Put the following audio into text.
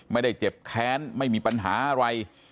ไม่ได้เจ็บแค้นไม่มีปัญหาอะไร